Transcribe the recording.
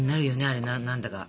あれ何だか。